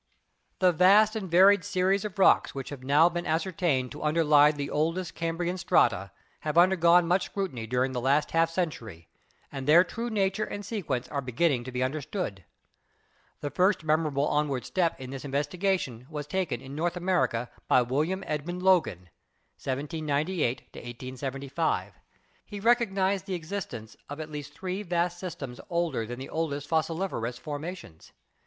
The vast and varied series of rocks which have now been ascertained to underlie the oldest Cambrian strata have undergone much scrutiny during the last half cen tury, and their true nature and sequence are beginning to be understood. The first memorable onward step in this investigation was taken in North America by William Edmond Logan (1798 1875). He recognised the existence of at least three vast systems older than the oldest fos siliferous formations.